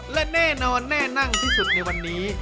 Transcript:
และแน่นอนแน่นั่งที่สุดในวันนี้